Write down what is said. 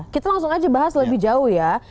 kita langsung aja bahas lebih jauh ya